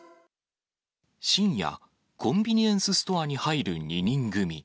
深夜、コンビニエンスストアに入る２人組。